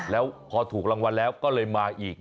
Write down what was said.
แล้วพอถูกรางวัลแล้วก็เลยมาอีก